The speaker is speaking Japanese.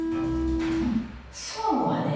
総務はね